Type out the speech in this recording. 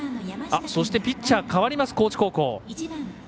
そして、ピッチャー代わります高知高校。